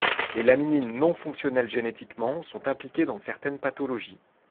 Les laminines non fonctionnelles génétiquement sont impliquées dans certaines pathologies.